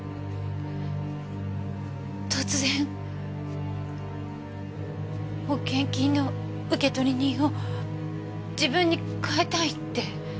突然保険金の受取人を自分に変えたいって。